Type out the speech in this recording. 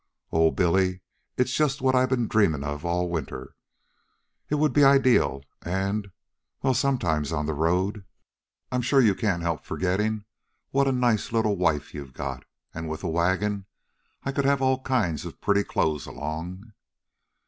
"Oh! Billy! it's just what I've been dreamin' all winter. It would be ideal. And... well, sometimes on the road I 'm sure you can't help forgetting what a nice little wife you've got... and with a wagon I could have all kinds of pretty clothes along."